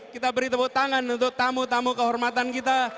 kita beri tepuk tangan untuk tamu tamu kehormatan kita